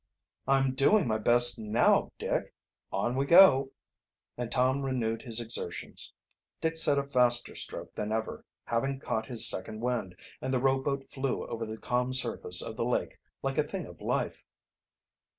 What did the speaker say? "I'm doing my best now, Dick. On we go!" and Tom renewed his exertions. Dick set a faster stroke than ever, having caught his second wind, and the rowboat flew over the calm surface of the lake like a thing of life.